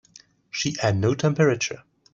She had no temperature.